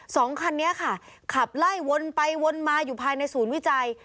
สองคันนี้ค่ะขับไล่วนไปวนมาอยู่ภายในศูนย์วิจัย